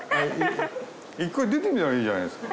１回出てみたらいいじゃないですか。